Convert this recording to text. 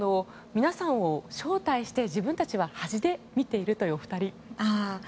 皆さんを招待して自分たちははじで見ているお二人。